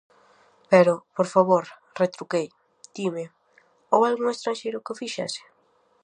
-Pero, por favor -retruquei-, dime: houbo algún estranxeiro que o fixese?